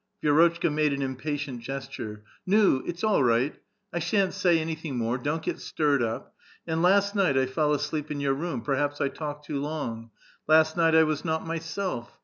Vi^rotcbka made an impa tient gesture. ^^ Nul its all right; I shan't say anything more ; don't get stirred up ! And last night I fell asleep in your room ; perhaps I talked too long. Last night I was not myself.